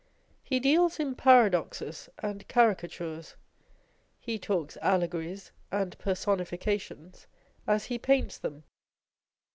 He deals in paradoxes and caricatures. He talks allegories and personifications as he paints them.